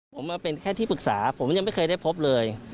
ผมมาเป็นแค่ที่ปรึกษาผมยังไม่เคยได้พบเลย